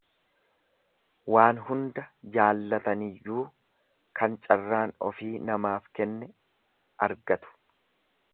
Waan hunda jaallataniyyuu kan carraan ofii namaaf kenne argatu.